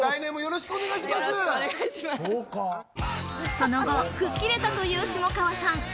その後、吹っ切れたという下川さん。